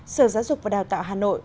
sở giáo dục và đào tạo hà nội